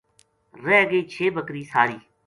رہ گئی چھ بکری ساری